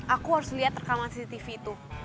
aku harus lihat rekaman cctv itu